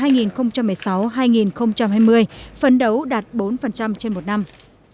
giai đoạn hai nghìn một mươi sáu hai nghìn hai mươi phấn đấu đạt bốn trên một năm